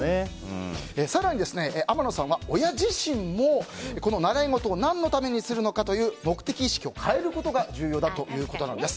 更に、天野さんは親自身も習い事を何のためにするのかという目的意識を変えることが重要だということなんです。